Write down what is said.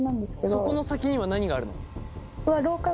そこの先には何があるの？